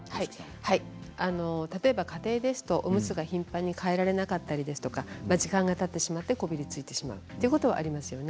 例えば家庭ですとおむつが頻繁に替えられなかったり時間がたってしまってこびりついてしまうということはありますね。